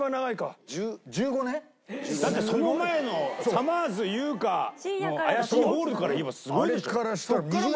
だってその前の『さまぁずと優香の怪しいホール』から言えばすごいでしょ？